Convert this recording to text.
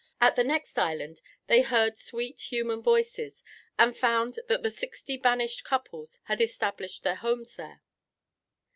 At the next island they heard sweet human voices, and found that the sixty banished couples had established their homes there.